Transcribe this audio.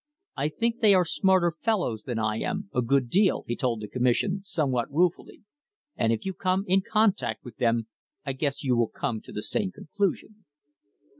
"I think they are smarter fellows than I am, a good deal," he told the commission, somewhat ruefully. "And if you come in contact with them I guess you will come to the same conclusion."